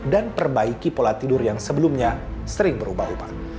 dan perbaiki pola tidur yang sebelumnya sering berubah ubah